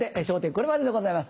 これまででございます